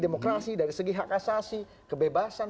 demokrasi dari segi hak asasi kebebasan